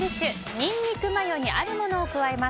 ニンニクマヨにあるものを加えます。